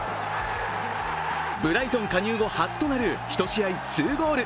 ブライトン加入後初となる１試合２ゴール。